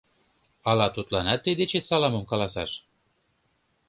Ала тудланат тый дечет саламым каласаш?